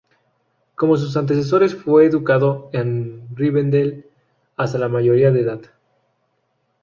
Como sus antecesores fue educado en Rivendel hasta la mayoría de edad.